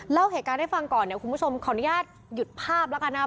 เล่าเหตุการณ์ให้ฟังก่อนเนี่ยคุณผู้ชมขออนุญาตหยุดภาพแล้วกันนะครับ